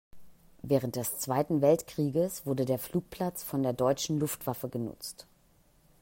Während des Zweiten Weltkrieges wurde der Flugplatz von der deutschen Luftwaffe genutzt.